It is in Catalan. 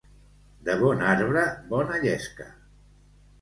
De bon arbre, bona llesca.